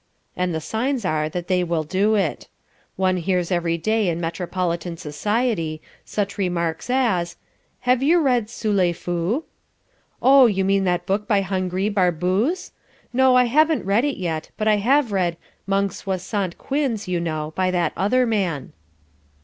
And the signs are that they will do it. One hears every day in metropolitan society such remarks as, "Have you read, 'Soo le foo?'" "Oh, you mean that book by Haingri Barbooze? No, I have not read it yet, but I have read 'Mong Swassant Quinz' you know, by that other man."